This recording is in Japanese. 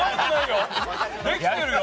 できてるよ！